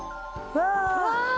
わあ！